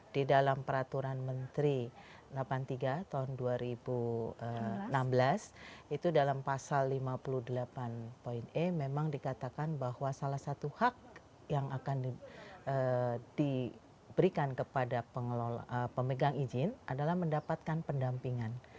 di dalam peraturan menteri delapan puluh tiga tahun dua ribu enam belas itu dalam pasal lima puluh delapan e memang dikatakan bahwa salah satu hak yang akan diberikan kepada pemegang izin adalah mendapatkan pendampingan